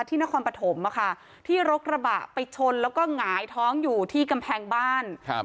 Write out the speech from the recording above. นครปฐมที่รถกระบะไปชนแล้วก็หงายท้องอยู่ที่กำแพงบ้าน